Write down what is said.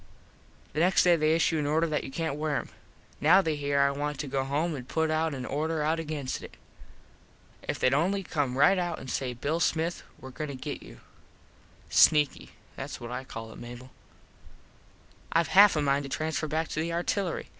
The next day they issue an order that you cant wear em. Now they hear I want to go home an put an order out against it. If theyd only come right out an say Bill Smith were goin to get you. Sneaky. Thats what I call it, Mable. Ive half a mind to transfer back to the artillery.